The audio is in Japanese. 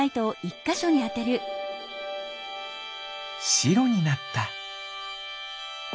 しろになった。